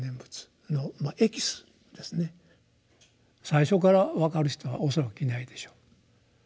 最初から分かる人は恐らくいないでしょう。